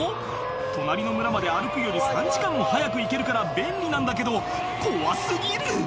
隣の村まで歩くより３時間も早く行けるから便利なんだけど怖過ぎる！